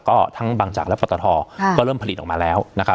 ก็ทั้งบางจักรและปัตตาทอร์ก็เริ่มผลิตออกมาแล้ว